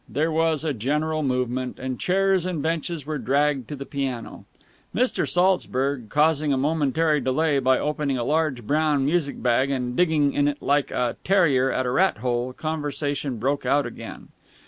There was a general movement, and chairs and benches were dragged to the piano. Mr. Saltzburg causing a momentary delay by opening a large brown music bag and digging in it like a terrier at a rat hole, conversation broke out again.